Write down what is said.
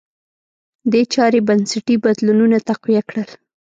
دې چارې بنسټي بدلونونه تقویه کړل.